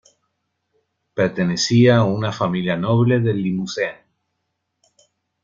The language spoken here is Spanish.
Pertenecía a una familia noble del Limousin.